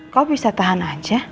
kamu bisa tahan aja